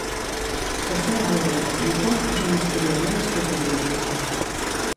José Álvarez Junco és un historiador nascut a Viella.